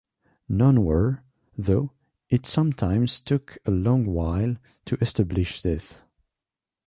None were, though it sometimes took a long while to establish this.